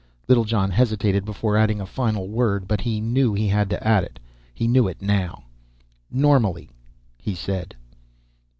Littlejohn hesitated before adding a final word, but he knew he had to add it; he knew it now. "Normally," he said.